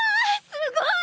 すごい！